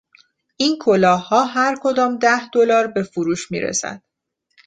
این کلاهها هر کدام ده دلار به فروش میرسد.